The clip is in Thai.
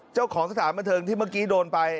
เจ้าของสถานบันเทิงที่เมื่อกี้โดนไป